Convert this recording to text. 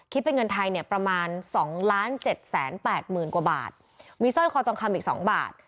เป็นเงินไทยเนี่ยประมาณสองล้านเจ็ดแสนแปดหมื่นกว่าบาทมีสร้อยคอทองคำอีกสองบาท